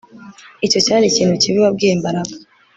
Icyo cyari ikintu kibi wabwiye Mbaraga